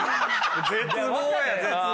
絶望や絶望。